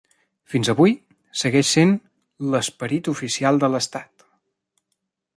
Fins avui, segueix sent l'"Esperit oficial de l'estat".